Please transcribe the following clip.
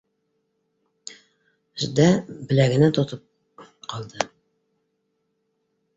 ЩДӘ беләгенән тотоп ҡалды